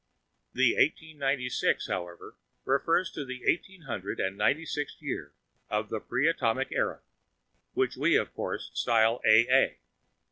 The 1896, however, refers to the eighteen hundred and ninety sixth year of the pre atomic era, which we, of course, style A.A.